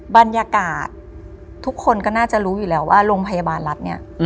บรรยากาศทุกคนก็น่าจะรู้อยู่แล้วว่าโรงพยาบาลรัฐเนี่ย